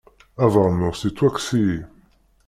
Abeṛnus yettwakkes-iyi.